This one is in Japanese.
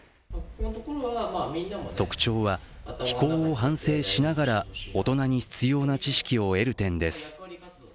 特徴は、非行を反省しながら大人に必要な知識を得る点です。